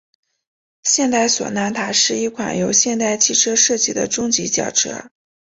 现代索纳塔是一款由现代汽车设计的中级轿车。